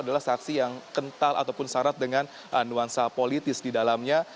adalah saksi yang kental ataupun syarat dengan nuansa politis di dalamnya